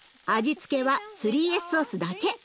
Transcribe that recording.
味付けは３Ｓソースだけ。